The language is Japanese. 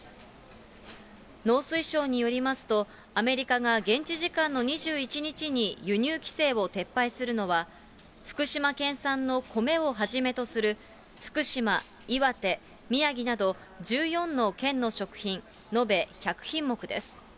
農水省によりますと、アメリカが現地時間の２１日に輸入規制を撤廃するのは、福島県産の米をはじめとする、福島、岩手、宮城など１４の県の食品延べ１００品目です。